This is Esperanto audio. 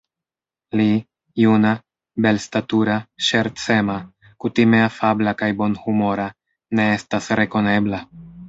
Li, juna, belstatura, ŝercema, kutime afabla kaj bonhumora, ne estas rekonebla.